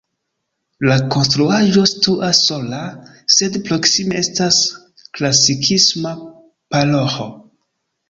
La konstruaĵo situas sola, sed proksime estas klasikisma paroĥo.